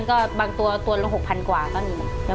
ก็บางตัวตัวลง๖๐๐๐บาทกว่าก็นิดหนึ่ง